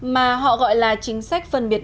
mà họ gọi là chính sách phân biệt